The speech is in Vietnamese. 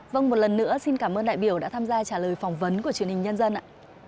vâng một lần nữa xin cảm ơn đại biểu đã tham gia trả lời phỏng vấn của truyền hình nhân dân ạ